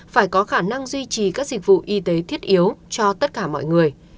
phải có khả năng duy trì các dịch vụ y tế thiết yếu cho tất cả mọi người